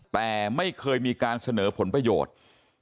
แต่ไม่เคยมีการเสนอผลประโยชน์